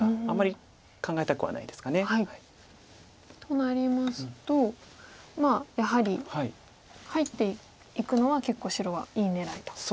あんまり考えたくはないですか。となりますとやはり入っていくのは結構白はいい狙いと。